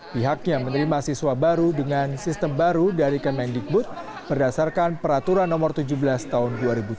pihaknya menerima siswa baru dengan sistem baru dari kemendikbud berdasarkan peraturan nomor tujuh belas tahun dua ribu tujuh belas